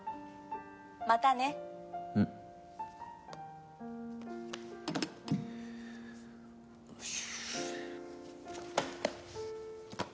「またね」うん。よし。